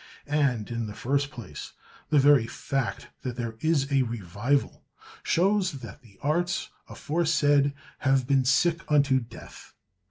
And, in the first place, the very fact that there is a "revival" shows that the arts aforesaid have been sick unto death.